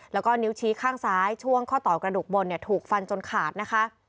แล้วก็นิ้วชี้ข้างซ้ายช่วงข้อต่อกระดูกบนถูกฟันจนขาดนะคะ